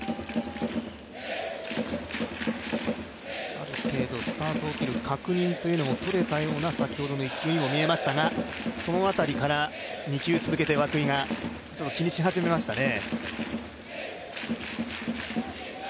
ある程度、スタートを切る確認もとれたような先ほどの１球にも見えましたが、その辺りから２球続けて涌井が気にし始めましたね。